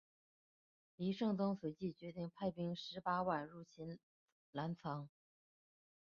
黎圣宗随即决定派兵十八万入侵澜沧。